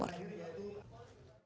meliputan cnn indonesia surabaya jawa timur